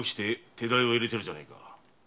手代を入れてるじゃねえか。